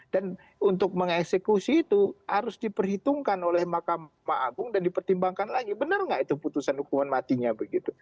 dan untuk mengeksekusi itu harus diperhitungkan oleh mahkamah agung dan dipertimbangkan lagi benar nggak itu putusan hukuman matinya begitu